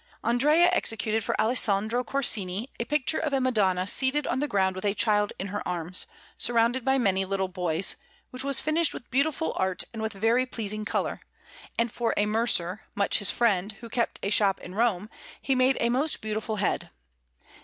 Andrea executed for Alessandro Corsini a picture of a Madonna seated on the ground with a Child in her arms, surrounded by many little boys, which was finished with beautiful art and with very pleasing colour; and for a mercer, much his friend, who kept a shop in Rome, he made a most beautiful head.